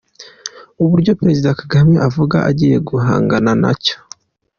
Uburyo perezida Kagame avuga agiye guhangana na cyo.